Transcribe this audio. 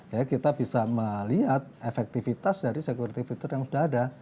ya kita bisa melihat efektivitas dari security fitur yang sudah ada